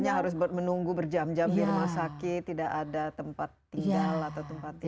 dan biasanya harus menunggu berjam jam di rumah sakit tidak ada tempat tinggal atau tempat tidur